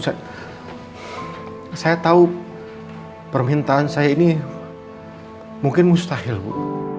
saya tahu permintaan saya ini mungkin mustahil bu